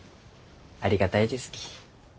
ありがたいですき。